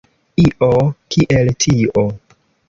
Io kiel tio.